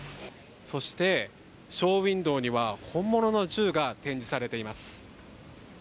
そして、ショーウィンドーには本物の銃が展示されています。